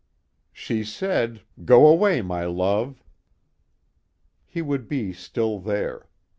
"She said: 'Go away, my love!'" He would be still there.